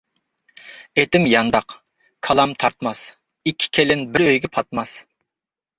ئېتىم يانداق، كالام تارتماس، ئىككى كېلىن بىر ئۆيگە پاتماس.